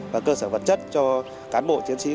và cơ sở vật chất cho cán bộ chiến sĩ